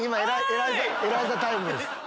エライザタイムです。